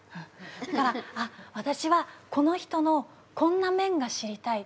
だから私はこの人のこんな面が知りたい